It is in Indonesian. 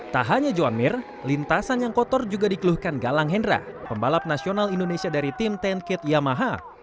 tak hanya johan mir lintasan yang kotor juga dikeluhkan galang hendra pembalap nasional indonesia dari tim sepuluh kit yamaha